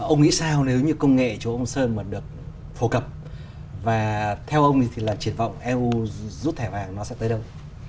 ông nghĩ sao nếu như công nghệ chỗ ông sơn mà được phổ cập và theo ông thì là triển vọng eu rút thẻ vàng nó sẽ tới đâu